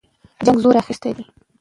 جنګ زور اخیستی دی.